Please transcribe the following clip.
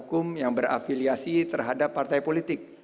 hukum yang berafiliasi terhadap partai politik